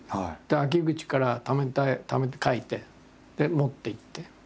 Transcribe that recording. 秋口からためて描いて。で持っていって。